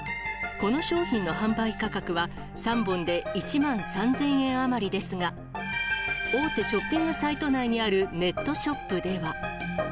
この商品の販売価格は、３本で１万３０００円余りですが、大手ショッピングサイト内にあるネットショップでは。